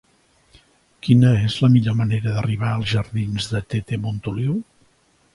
Quina és la millor manera d'arribar als jardins de Tete Montoliu?